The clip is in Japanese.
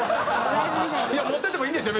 持っててもいいんですよ